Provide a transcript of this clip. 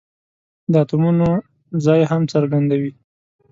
د اتومونو ځای هم څرګندوي.